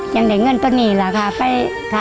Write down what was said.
จากนั้นเงินสิรษฐ์ไปหนีค่ะ